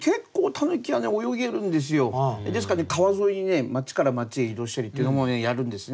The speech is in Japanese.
ですから川沿いに町から町へ移動したりっていうのもやるんですね